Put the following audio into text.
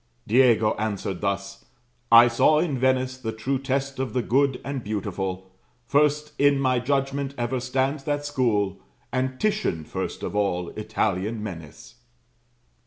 "Diego answered thus: 'I saw in Venice The true test of the good and beautiful; First in my judgment, ever stands that school, And Titian first of all Italian men is.'"